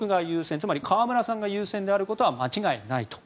つまり河村さんが優先というのは間違いないと。